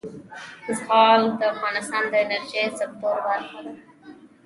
زغال د افغانستان د انرژۍ سکتور برخه ده.